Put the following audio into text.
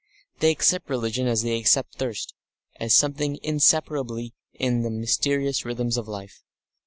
They accept Religion as they accept Thirst, as something inseparably in the mysterious rhythms of life.